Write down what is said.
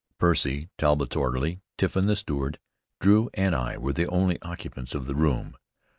Percy, Talbott's orderly, Tiffin the steward, Drew, and I were the only occupants of the room.